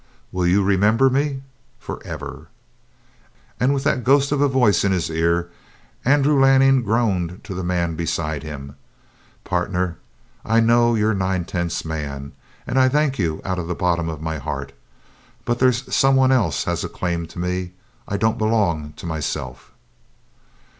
"Will you remember me?" "Forever!" And with that ghost of a voice in his ear Andrew Lanning groaned to the man beside him: "Partner, I know you're nine tenths man, and I thank you out of the bottom of my heart. But there's some one else has a claim to me I don't belong to myself."